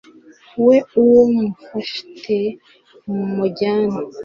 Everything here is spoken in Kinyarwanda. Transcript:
we uwo mumufate mumujyane